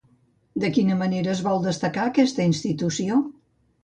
De quina manera es vol destacar aquesta institució?